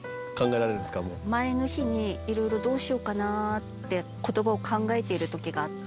前の日にいろいろどうしようかなって言葉を考えている時があって。